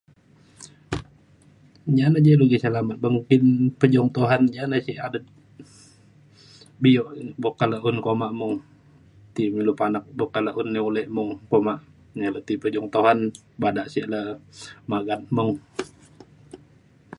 ja ne ja ilu ja selamat beng mungkin pejung Tuhan ja na sek adet bio buk kak le un kak uma mung ti me ilu panak buk anak nu nai ulek mung ke uma ne ilu ti pejung Tuhan bada sek le magat mung